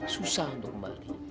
susah untuk kembali